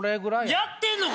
やってんの⁉